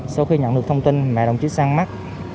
sau khi nhận được thông tin mẹ đồng chí sang mắt